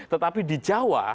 tetapi di jawa